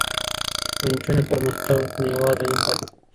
که نجونې پرمختګ وکړي نو هیواد به نه پاتې کېږي.